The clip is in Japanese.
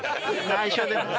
内緒でね。